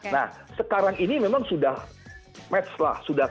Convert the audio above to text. nah sekarang ini memang sudah match lah